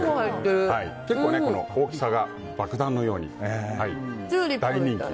結構、大きさが爆弾のようで大人気。